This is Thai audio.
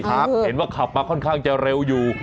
เห็นว่าขับมาค่อนข้างจะเร็วอยู่